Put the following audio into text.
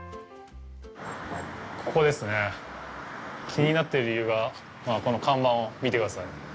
気になってる理由が、この看板を見てください。